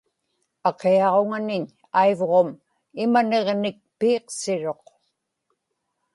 aqiaġuŋaniñ aivġum imaniġnik piiqsiruq